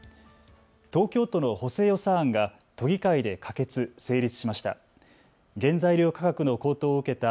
東京都の補正予算案が都議会で可決・成立しました。